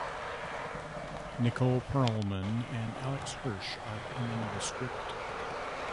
Nicole Perlman and Alex Hirsch are penning the script.